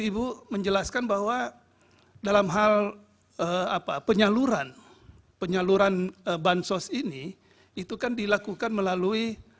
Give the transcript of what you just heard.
ibu menjelaskan bahwa dalam hal apa penyaluran penyaluran bansos ini itu kan dilakukan melalui